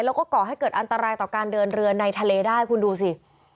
แล้วก็ก่อให้เกิดอันตรายต่อการเดินเรือในทะเลได้คุณดูสิ